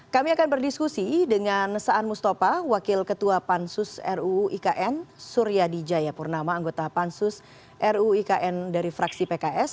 kami akan berdiskusi dengan saan mustopha wakil ketua pansus ruu ikn surya dijaya purnama anggota pansus ruu ikn dari fraksi pks